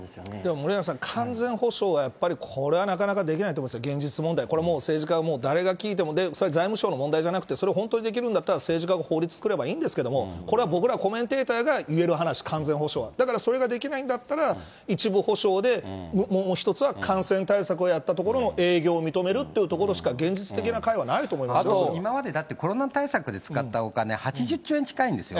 森永さん、完全補償はやっぱりこれはなかなかできないと思いますよ、現実問題、これはもう政治家は、誰が聞いても、それは財務省の問題じゃなくて、それ本当にできるんだったら、政治家が法律作ればいいんですけれども、これは僕ら、コメンテーターが言える話、完全補償、だからそれができないんだったら、一部補償で、もう一つは、感染対策をやったところの営業認めるっていうところしか現実的な今までだって、コロナ対策で使ったお金、８０兆円近いんですよ。